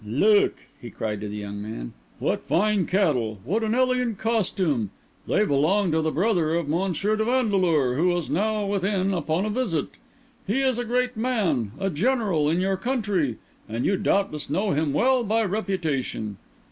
"Look!" he cried to the young man, "what fine cattle! what an elegant costume! They belong to the brother of M. de Vandeleur, who is now within upon a visit. He is a great man, a general, in your country; and you doubtless know him well by reputation."